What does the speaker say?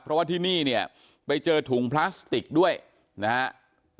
เพราะว่าที่นี่เนี่ยไปเจอถุงพลาสติกด้วยนะครับ